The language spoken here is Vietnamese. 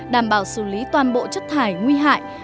đảm bảo xử lý toàn bộ chất thải nguy hại